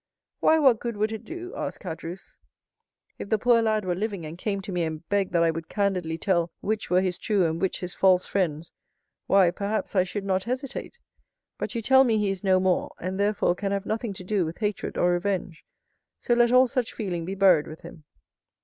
"Why, what good would it do?" asked Caderousse. "If the poor lad were living, and came to me and begged that I would candidly tell which were his true and which his false friends, why, perhaps, I should not hesitate. But you tell me he is no more, and therefore can have nothing to do with hatred or revenge, so let all such feeling be buried with him."